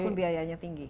walaupun biayanya tinggi